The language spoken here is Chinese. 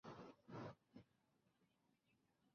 波密溲疏为虎耳草科溲疏属下的一个种。